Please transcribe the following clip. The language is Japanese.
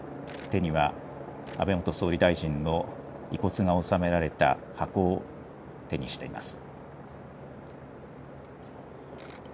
手には安倍元総理大臣の遺骨が納められた箱を手にしています。